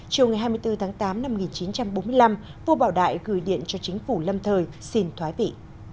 chiều ngày hai mươi bốn tháng tám năm một nghìn chín trăm bốn mươi năm vua bảo đại gửi điện cho chính phủ lâm thời xin thoái vị